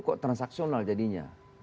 kok transaksional jadinya